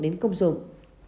đến công dụng